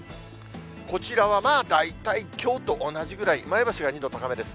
こちらは、まあ大体きょうと同じぐらい、前橋は２度高めです。